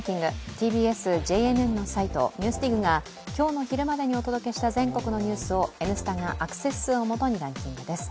ＴＢＳ・ＪＮＮのサイト「ＮＥＷＳＤＩＧ」が今日の昼までにお届けした全国のニュースを「Ｎスタ」がアクセス数をもとにランキングです。